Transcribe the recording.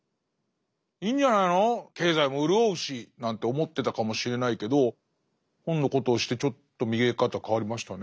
「いいんじゃないの経済も潤うし」なんて思ってたかもしれないけど本のことを知ってちょっと見え方変わりましたね。